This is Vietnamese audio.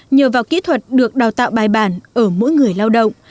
nhờ vào kỹ thuật được đào tạo bài bản ở mỗi người lao động